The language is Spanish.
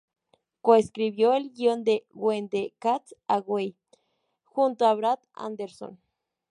Coescribió el guión de "When the Cat's Away" junto a Brad Anderson.